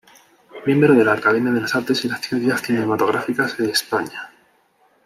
Miembro de la Academia de las Artes y las Ciencias Cinematográficas de España.